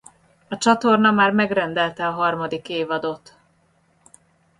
A csatorna már megrendelte a harmadik évadot.